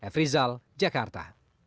f rizal jakarta